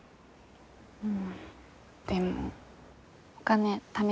うんでもお金ためてるしね。